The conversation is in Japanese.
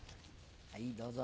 はいどうぞ。